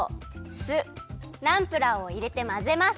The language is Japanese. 酢ナンプラーをいれてまぜます。